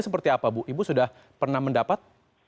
seperti apa bu ibu sudah pernah mendapat